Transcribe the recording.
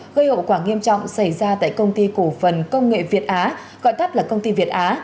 gây hậu quả nghiêm trọng xảy ra tại công ty cổ phần công nghệ việt á gọi tắt là công ty việt á